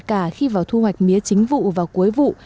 cả khi vào thu hoạch mía chính vụ và cuối vụ